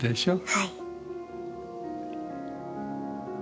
はい。